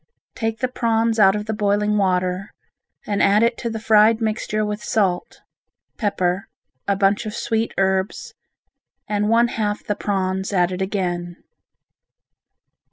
Take the prawns out of the boiling water and add to it the fried mixture with salt, pepper, a bunch of sweet herbs and one half the prawns added again.